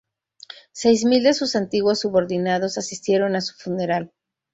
Seis mil de sus antiguos subordinados asistieron a su funeral.